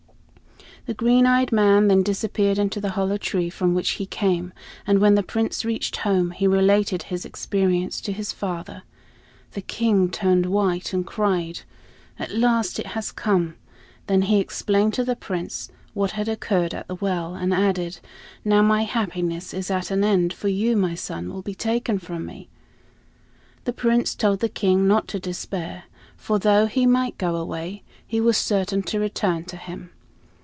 The green eyed man then disappeared into the hollow tree from which he came; and when the Prince reached home, he related his experience to his father. The King turned white, and cried: "At last, it has come!" Then he explained to the Prince what had occurred at the well, and added, "Now my happiness is at an end, for you, my son, will be taken from me." The Prince told the King not to despair, for though he might go away, he was certain to return to him.